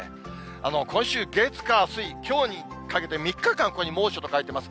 今週、月、火、水、きょうにかけて３日間、ここに猛暑と書いてます。